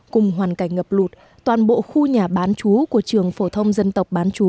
cùng hoàn cảnh ngập lụt toàn bộ khu nhà bán chú của trường phổ thông dân tộc bán chú